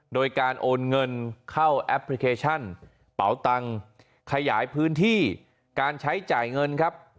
โดยการโอนเงินเข้าแอปพลิเคชันเป๋าตังค์ขยายพื้นที่การใช้จ่ายเงินครับ